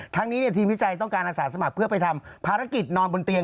ทั้งนี้ทีมวิจัยต้องการอาสาสมัครเพื่อไปทำภารกิจนอนบนเตียง